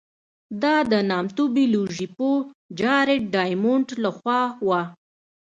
دا د نامتو بیولوژي پوه جارېډ ډایمونډ له خوا وه.